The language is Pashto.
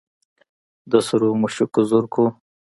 د سرو مشوکو زرکو